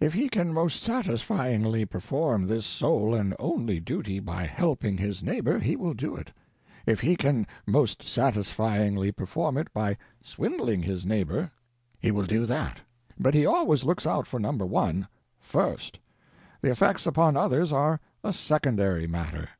If he can most satisfyingly perform this sole and only duty by helping his neighbor, he will do it; if he can most satisfyingly perform it by swindling his neighbor, he will do it. But he always looks out for Number One—first; the effects upon others are a secondary matter.